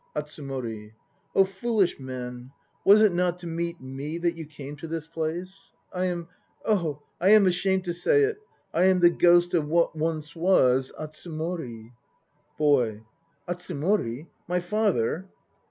ATSUMORI. Oh foolish men, was it not to meet me that you came to this place? I am oh! I am ashamed to say it. I am the ghost of what once was ... Atsumori. BOY. Atsumori? My father